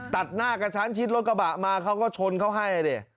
ตัดหน้ากระชั้นชิดรถกระบะมาเขาก็ชนเขาให้ดิ